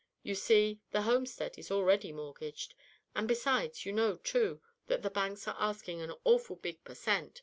You see, the homestead is already mortgaged. And, besides, you know, too, that the banks are asking an awful big per cent.